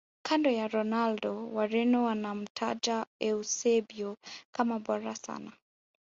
Kando ya Ronaldo wareno wanamtaja eusebio kama bora sana